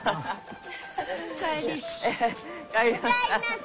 お帰りなさい！